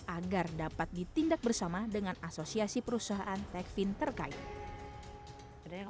agar dapat ditindak bersama dengan asosiasi perusahaan techfin terkait